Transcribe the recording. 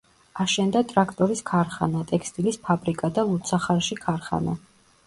აშენდა ტრაქტორის ქარხანა, ტექსტილის ფაბრიკა და ლუდსახარში ქარხანა.